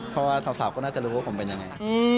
เพราะว่าสาวก็น่าจะรู้ว่าผมเป็นยังไง